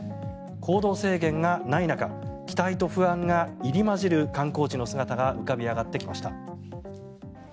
行動制限がない中期待と不安が入り交じる観光地の姿が浮かび上がってきました。